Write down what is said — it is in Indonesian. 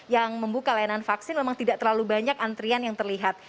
yang membuka layanan vaksin memang tidak terlalu banyak antrian yang terlihat